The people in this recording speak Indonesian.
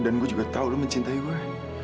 dan gue juga tahu lo mencintai gue